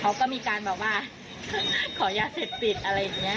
เขาก็มีการบอกว่าขอยาเสร็จปิดอะไรอย่างเงี้ย